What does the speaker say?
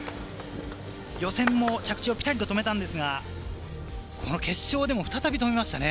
予選も着地をピタリと止めたんですが、この決勝でも再び止めましたね。